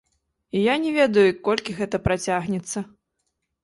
І я не ведаю, колькі гэта працягнецца.